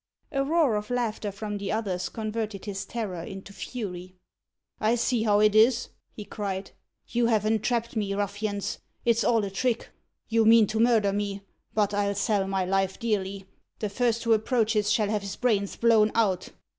A roar of laughter from the others converted his terror into fury. "I see how it is," he cried. "You have entrapped me, ruffians. It's all a trick. You mean to murder me. But I'll sell my life dearly. The first who approaches shall have his brains blown out."